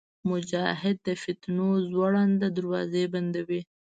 مجاهد د فتنو زوړند دروازې بندوي.